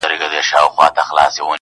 سړي وویل ستا ورور صدراعظم دئ!!